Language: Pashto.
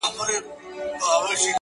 له هر چا یې دی د عقل میدان وړی-